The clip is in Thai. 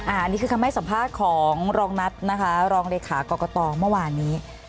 อันนี้คือคำให้สัมภาษณ์ของรองนัทนะคะรองเลขากรกตเมื่อวานนี้